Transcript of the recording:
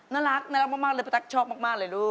น่ารักน่ารักมากเลยประทักชอบมากเลยลูก